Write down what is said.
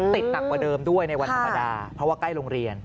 หนักกว่าเดิมด้วยในวันธรรมดาเพราะว่าใกล้โรงเรียน